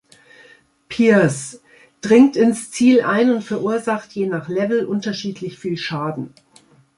Pierce: Dringt ins Ziel ein und verursacht je nach Level unterschiedlich viel Schaden.